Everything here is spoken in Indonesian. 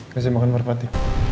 kasih makan berpati